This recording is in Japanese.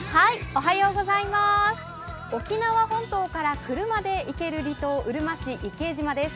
沖縄本島から車で行ける離島うるま市伊計島です。